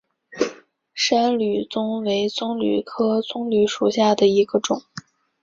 山棕榈为棕榈科棕榈属下的一个种。